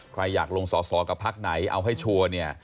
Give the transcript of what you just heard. ใครอยากลงสอสอกับพักไหนเอาให้ชัวร์เนี่ย